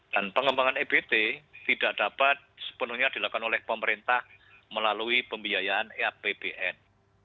dan pengembangan ebt tidak dapat sepenuhnya dilakukan oleh pemerintah melalui pembiayaan apbn